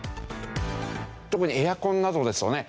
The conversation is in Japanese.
特にエアコンなどですとね